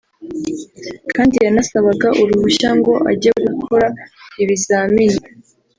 kandi yanasabaga uruhushya ngo ajye gukora ibizamini